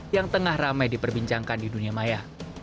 yang tengah ramai diperbincangkan di dunia maya